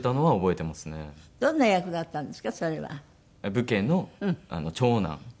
武家の長男。